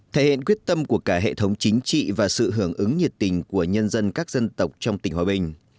thể hiện quyết tâm của cả hệ thống chính trị và sự hưởng ứng nhiệt tình của nhân dân các dân tộc trong tỉnh hòa bình